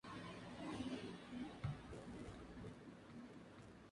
Finalmente reunido con Craufurd, permaneció bajo su mando directo el resto de la jornada.